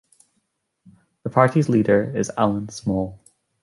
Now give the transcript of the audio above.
The party's leader is Allen Small.